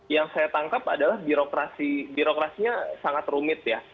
yang saya tangkap adalah birokrasinya sangat rumit ya